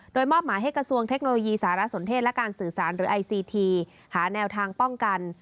โดยมอบหมายให้กระทรวงเทคโนโลยีสารสนเทศและการสื่อสารหรือไอซีทีหาแนวทางป้องกัน